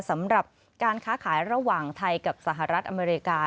สำหรับการค้าขายระหว่างไทยกับสหรัฐอเมริกา